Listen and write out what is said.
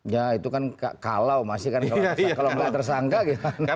ya itu kan kalau masih kan kalau nggak tersangka gimana